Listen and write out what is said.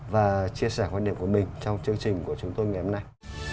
và chia sẻ quan điểm của mình trong chương trình của chúng tôi ngày hôm nay